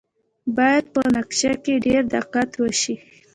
باید په نقشه کې ډیر دقت وشي